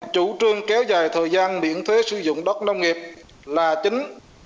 chủ trương kéo dài thời gian miễn thuế sử dụng đất nông nghiệp là chính